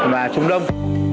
và trung đông